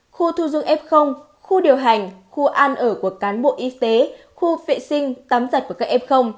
khu thu dung f khu điều hành khu ăn ở của cán bộ y tế khu vệ sinh tắm giặt của các f